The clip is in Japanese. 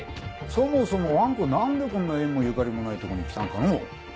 そもそもあん子何でこんな縁もゆかりもないとこに来たんかのう？